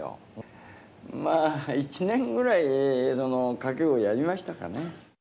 まあ１年ぐらい賭け碁をやりましたかね。